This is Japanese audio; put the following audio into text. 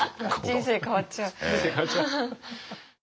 人生変わっちゃう。